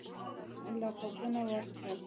لقبونه ورکړل.